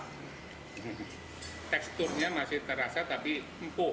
teksturnya masih terasa tapi empuk